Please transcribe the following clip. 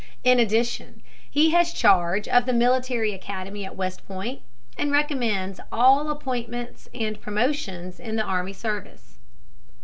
In addition, he has charge of the Military Academy at West Point, and recommends all appointments and promotions in the army service.